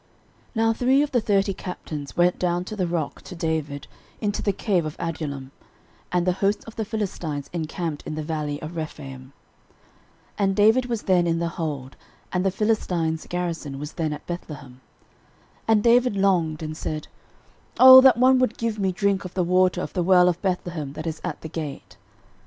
13:011:015 Now three of the thirty captains went down to the rock to David, into the cave of Adullam; and the host of the Philistines encamped in the valley of Rephaim. 13:011:016 And David was then in the hold, and the Philistines' garrison was then at Bethlehem. 13:011:017 And David longed, and said, Oh that one would give me drink of the water of the well of Bethlehem, that is at the gate!